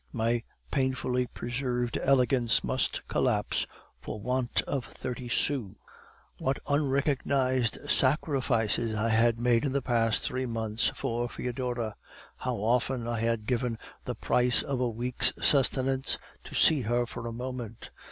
My painfully preserved elegance must collapse for want of thirty sous. "What unrecognized sacrifices I had made in the past three months for Foedora! How often I had given the price of a week's sustenance to see her for a moment!